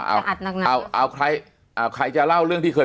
กะอัดนักน้ำเอ่อเอาเอาใครเอ่อใครจะเล่าเรื่องที่เคย